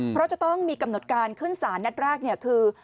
เพราะจะต้องมีกำหนดการขึ้นสารนัดแรกคือ